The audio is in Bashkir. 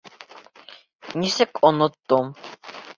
Нисек «оноттом»?